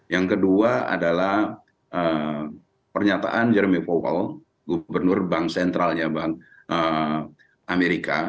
yang kedua adalah pernyataan jeremy powell gubernur bank sentralnya bank amerika